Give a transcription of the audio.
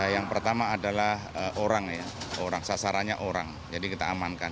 yang pertama adalah orang sasarannya orang jadi kita amankan